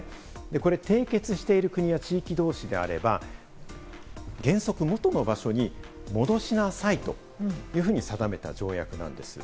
これ、締結している国や地域どうしであれば、原則、元の場所に戻しなさいというふうに定めた条約なんです。